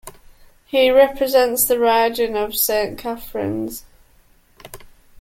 He represents the riding of Saint Catharines.